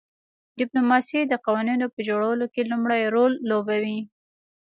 ډیپلوماسي د قوانینو په جوړولو کې لومړی رول لوبوي